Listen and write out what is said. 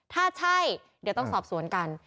ถ้าใช่เดี๋ยวต้องสอบสวนกัน